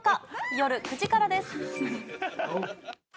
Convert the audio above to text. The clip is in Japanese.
夜９時からです。